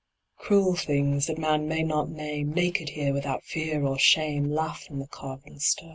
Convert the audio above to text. Cruel things that man may not name, Naked here, without fear or shame, Laughed in the carven stone.